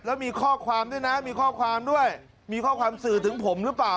แล้วมีข้อความด้วยนะมีข้อความด้วยมีข้อความสื่อถึงผมหรือเปล่า